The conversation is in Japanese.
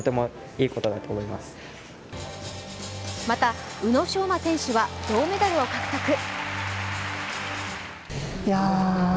また、宇野昌磨選手は銅メダルを獲得。